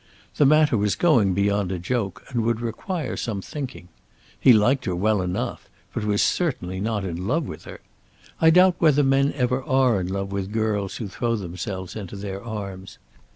The matter was going beyond a joke, and would require some thinking. He liked her well enough, but was certainly not in love with her. I doubt whether men ever are in love with girls who throw themselves into their arms.